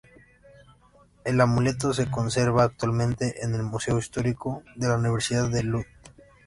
El amuleto se conserva actualmente en el Museo histórico de la universidad de Lund.